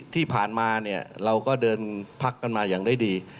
ที่ผ่านมาเนี่ยเราก็เดินพักกันมาอย่างได้ดี